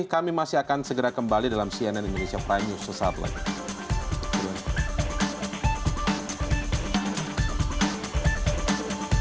kami masih akan segera kembali dalam cnn indonesia prime news sesaat lagi